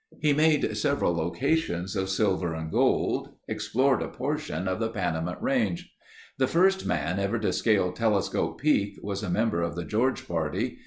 He made several locations of silver and gold, explored a portion of the Panamint Range. The first man ever to scale Telescope Peak was a member of the George party.